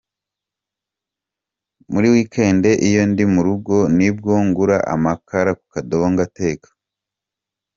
Muri weekend iyo ndi mu rugo nibwo ngura amakara ku kadobo ngateka.